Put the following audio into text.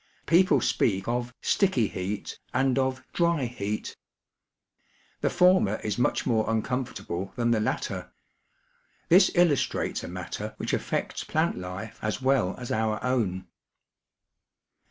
People speak of " sticky heat '' and of " dry heat.'' The former is much more uncomfortable than the latter. This illus trates a matter which affects plant life as well as our own.